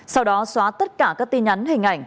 sau đó xóa tất cả các tin nhắn hình ảnh